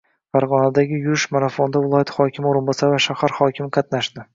Farg‘onadagi yurish marafonida viloyat hokimi o‘rinbosari va shahar hokimi qatnashdi